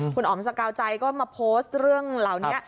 คุณอ๋อมสกาวใจก็มาโพสต์เรื่องเหล่านี้